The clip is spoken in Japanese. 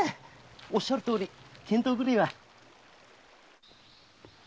おっしゃるとおり見当ぐらいは。